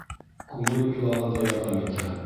Күңел илағанда ярҙам итә.